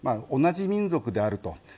同じ民族であると。